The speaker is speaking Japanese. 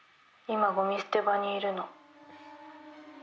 今ゴミ捨て場にいるの」